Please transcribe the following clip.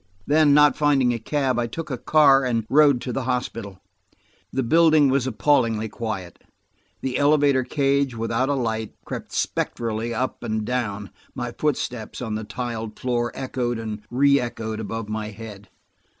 Then, not finding a cab, I took a car and rode to the hospital. The building was appallingly quiet. The elevator cage, without a light, crept spectrally up and down; my footsteps on the tiled floor echoed and reëchoed above my head.